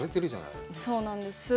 そうなんです。